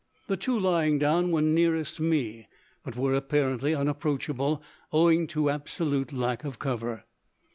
The two lying down were nearest me, but were apparently unapproachable, owing to absolute lack of cover.